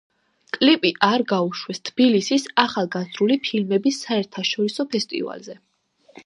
კლიპი არ გაუშვეს თბილისის ახალგაზრდული ფილმების საერთაშორისო ფესტივალზე.